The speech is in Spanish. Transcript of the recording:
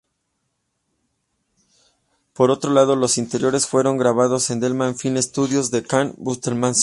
Por otro lado, los interiores fueron grabados en Denham Film Studios, Denham, Buckinghamshire.